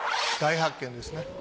大発見ですね。